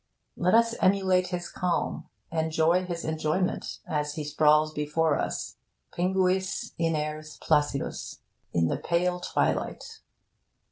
Let us emulate his calm, enjoy his enjoyment as he sprawls before us pinguis, iners, placidus in the pale twilight.